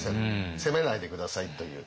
責めないで下さいという。